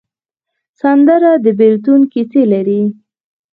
سندره د بېلتون کیسې لري